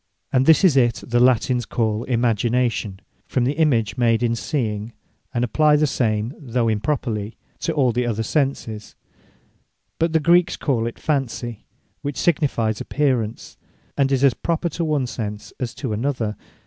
And this is it, that Latines call Imagination, from the image made in seeing; and apply the same, though improperly, to all the other senses. But the Greeks call it Fancy; which signifies Apparence, and is as proper to one sense, as to another.